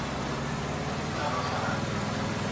څنګه کولای سو د معلولینو لپاره ځانګړي اسانتیاوې برابرې کړو؟